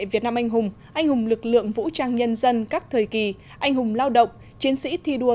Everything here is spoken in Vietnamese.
việt nam anh hùng anh hùng lực lượng vũ trang nhân dân các thời kỳ anh hùng lao động chiến sĩ thi đua